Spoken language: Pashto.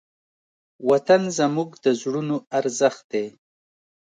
وطن زموږ د زړونو ارزښت دی.